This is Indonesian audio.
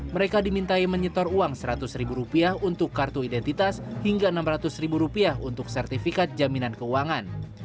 mereka dimintai menyetor uang seratus ribu rupiah untuk kartu identitas hingga rp enam ratus untuk sertifikat jaminan keuangan